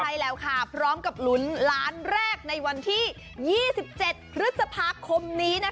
ใช่แล้วค่ะพร้อมกับลุ้นล้านแรกในวันที่๒๗พฤษภาคมนี้นะคะ